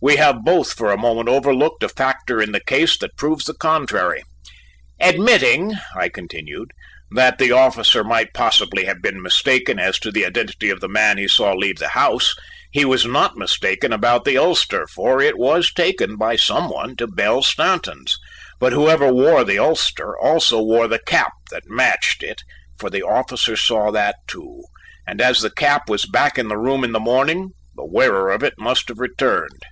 We have both for a moment overlooked a factor in the case that proves the contrary. Admitting," I continued, "that the officer might possibly have been mistaken as to the identity of the man he saw leave the house, he was not mistaken about the ulster for it was taken by some one to Belle Stanton's, but whoever wore the ulster also wore the cap that matched it for the officer saw that too, and as the cap was back in the room in the morning, the wearer of it must have returned."